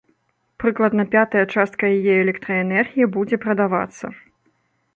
Прыкладна пятая частка яе электраэнергіі будзе прадавацца.